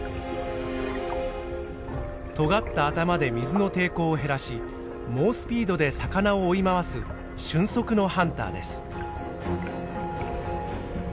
とがった頭で水の抵抗を減らし猛スピードで魚を追い回す俊足のハンターです。